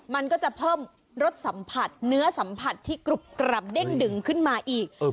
มันก็จะเพิ่มรสสัมผัสเนื้อสัมผัสที่กรุบกรับเด้งดึงขึ้นมาอีก